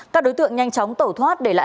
các đối tượng nhanh chóng tẩu thoát để lại